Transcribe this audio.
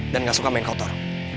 dan gak suka main kotor